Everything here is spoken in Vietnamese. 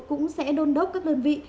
cũng sẽ đôn đốc các đơn vị